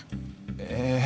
ええ？